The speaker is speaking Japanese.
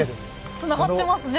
つながってますね